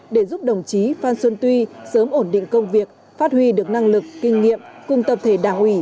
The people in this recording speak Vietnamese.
để giúp đồng chí phan xuân tuy sớm ổn định công việc phát huy được năng lực kinh nghiệm cùng tập thể đảng ủy